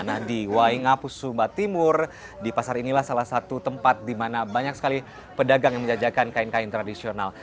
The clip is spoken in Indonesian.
nah di waingapus sumba timur di pasar inilah salah satu tempat di mana banyak sekali pedagang yang menjajakan kain kain tradisional